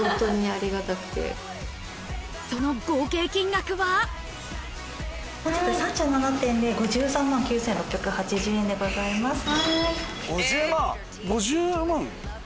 その合計金額は本日３７点で５３万９６８０円でございます。